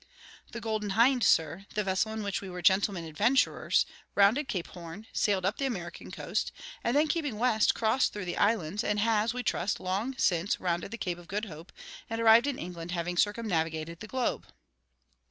"The Golden Hind, sir, the vessel in which we were gentlemen adventurers, rounded Cape Horn, sailed up the American coast, and then, keeping west, crossed through the islands; and has, we trust, long since rounded the Cape of Good Hope and arrived in England, having circumnavigated the globe."